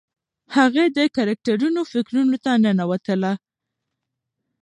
هغې د کرکټرونو فکرونو ته ننوتله.